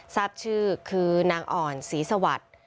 ทราบชื่อคือนางอ่อนศรีสวัสดิ์